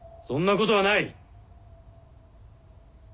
そんなことはない！